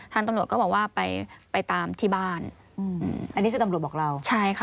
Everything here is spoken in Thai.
ตำรวจก็บอกว่าไปไปตามที่บ้านอันนี้คือตำรวจบอกเราใช่ค่ะ